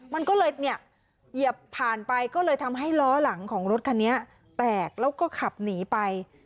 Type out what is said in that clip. มันก็เลยเนี่ยเหยียบผ่านไปก็เลยทำให้ล้อหลังของรถคันนี้แตกแล้วก็ขับหนีไป